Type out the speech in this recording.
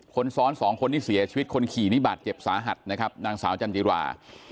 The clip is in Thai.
คนซ้อนสองคนที่เสียชีวิตคนขี่นี่บาดเจ็บสาหัสนะครับนางสาวจันจิรา